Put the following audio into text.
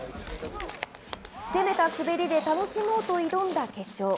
攻めた滑りで楽しもうと挑んだ決勝。